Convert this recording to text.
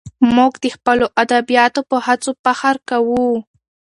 موږ د خپلو ادیبانو په هڅو فخر کوو.